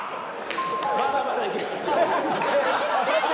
まだまだいけますよ